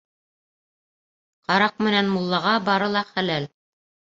Ҡараҡ менән муллаға бары ла хәләл.